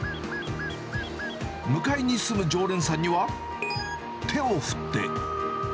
向かいに住む常連さんには、手を振って。